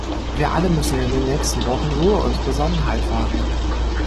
Wir alle müssen in den nächsten Wochen Ruhe und Besonnenheit wahren.